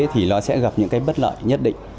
thì nó sẽ gặp những cái bất lợi nhất định